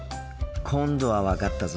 今度は分かったぞ。